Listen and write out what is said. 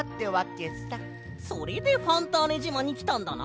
それでファンターネじまにきたんだな。